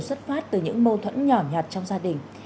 xuất phát từ những mâu thuẫn nhỏ nhặt trong gia đình